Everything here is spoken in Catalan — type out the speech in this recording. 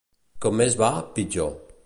Com més va, pitjor.